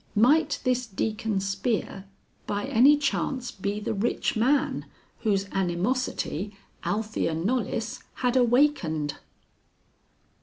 Might this Deacon Spear by any chance be the rich man whose animosity Althea Knollys had awakened?